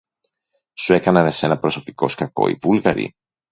Σου έκαναν εσένα προσωπικώς κακό οι Βούλγαροι;